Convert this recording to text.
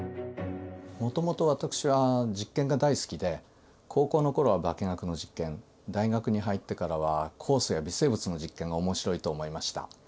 もともと私は実験が大好きで高校の頃は化学の実験大学に入ってからは酵素や微生物の実験が面白いと思いました。